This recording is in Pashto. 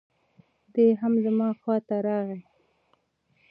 دی هم زما خواته راغی.